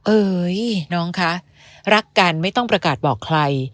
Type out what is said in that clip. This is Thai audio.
เอ้ยน้องคะรักกันไม่ต้องประกาศบอกใคร